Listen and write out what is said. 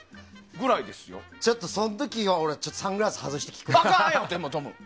ちょっとその時はサングラス外して聞くよ。